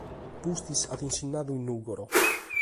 Pustis at insinnadu in Nùgoro.